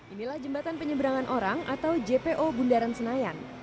inilah jembatan penyeberangan orang atau jpo bundaran senayan